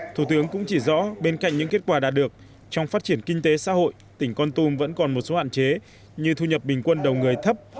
thủ tướng cũng chỉ rõ bên cạnh những kết quả đạt được trong phát triển kinh tế xã hội tỉnh con tum vẫn còn một số hạn chế như thu nhập bình quân đầu người thấp